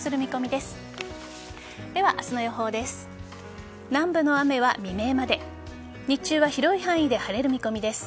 では明日の予報です。